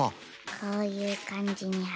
こういうかんじにはれるね。